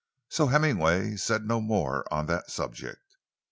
So Hemmingway said no more on that subject.